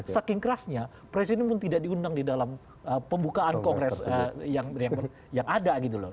saking kerasnya presiden pun tidak diundang di dalam pembukaan kongres yang ada gitu loh